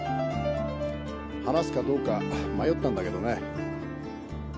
話すかどうか迷ったんだけどね。